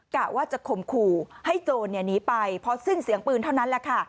กะว่าจะข่มขู่ให้โจรหนีไปพอสิ้นเสียงปืนเท่านั้นแหละค่ะ